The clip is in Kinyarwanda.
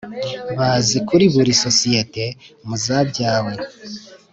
Bazi kuri buri sosiyete mu zabyawe